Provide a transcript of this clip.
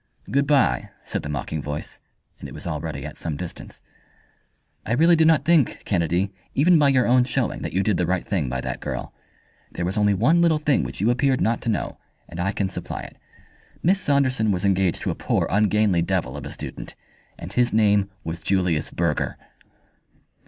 "Good bye," said the mocking voice, and it was already at some distance. "I really do not think, Kennedy, even by your own showing that you did the right thing by that girl. There was only one little thing which you appeared not to know, and I can supply it. Miss Saunderson was engaged to a poor, ungainly devil of a student, and his name was Julius Burger."